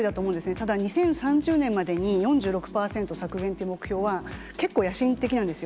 ただ、２０３０年までに４６％削減っていう目標は、結構野心的なんですよ。